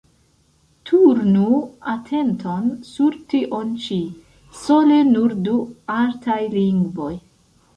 Turnu atenton sur tion ĉi: sole nur du artaj lingvoj.